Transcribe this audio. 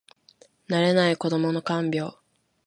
慣れない子どもの看病